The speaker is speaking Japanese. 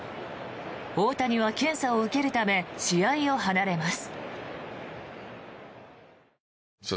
大谷は検査を受けるため試合を離れます。